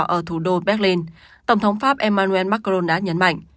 ở thủ đô berlin tổng thống pháp emmanuel macron đã nhấn mạnh